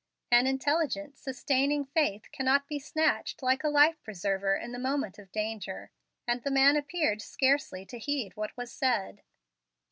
An intelligent, sustaining faith cannot be snatched like a life preserver in the moment of danger; and the man appeared scarcely to heed what was said.